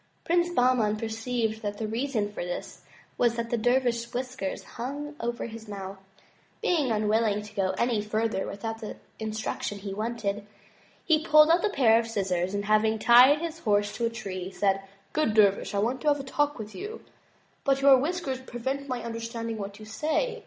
Prince Bahman perceived that the reason for this was that the dervish's whiskers hung over his mouth. Being unwilling to go any further without the instruction he wanted, he pulled out a pair of scissors, and having tied his horse to a tree, said: "Good dervish, I want to have a talk with you, but your whiskers pre vent my understanding what you say.